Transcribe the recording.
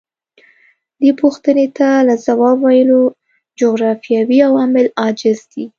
دې پوښتنې ته له ځواب ویلو جغرافیوي عوامل عاجز دي.